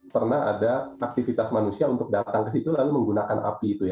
pernah ada aktivitas manusia untuk datang ke situ lalu menggunakan api itu ya